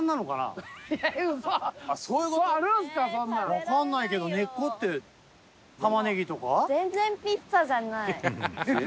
わかんないけど根っこってタマネギとか？